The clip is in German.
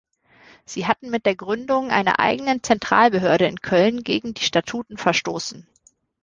Sie hätten mit der Gründung einer eigenen Zentralbehörde in Köln gegen die Statuten verstoßen.